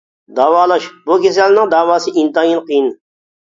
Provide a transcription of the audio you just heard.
داۋالاش : بۇ كېسەلنىڭ داۋاسى ئىنتايىن قىيىن.